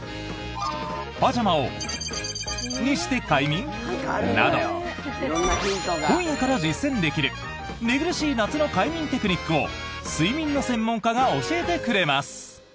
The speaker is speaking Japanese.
パジャマを○○にして快眠？など今夜から実践できる寝苦しい夏の快眠テクニックを睡眠の専門家が教えてくれます。